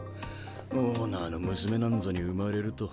オーナーの娘なんぞに生まれると。